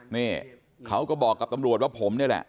นี่เขาก็บอกกับตำรวจว่าผมนี่แหละ